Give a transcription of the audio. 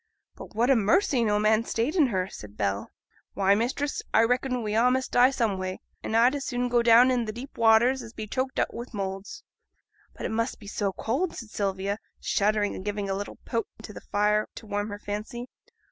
'But what a mercy no man stayed in her,' said Bell. 'Why, mistress, I reckon we a' must die some way; and I'd as soon go down into the deep waters as be choked up wi' moulds.' 'But it must be so cold,' said Sylvia, shuddering and giving a little poke to the fire to warm her fancy.